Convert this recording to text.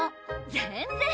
全然！